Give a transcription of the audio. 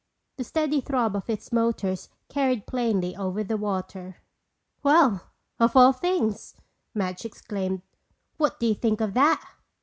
The steady throb of its motors carried plainly over the water. "Well, of all things!" Madge exclaimed. "What do you think of that!"